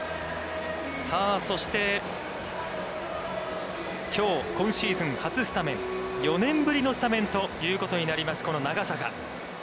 さあそして、きょう、今シーズン初スタメン、４年ぶりのスタメンということになります、この長坂。